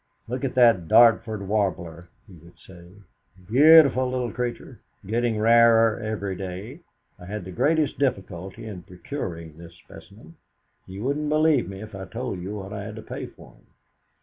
"Look at this Dartford Warbler," he would say; "beautiful little creature getting rarer every day. I had the greatest difficulty in procuring this specimen. You wouldn't believe me if I told you what I had to pay for him!"